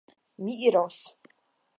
Mi iros.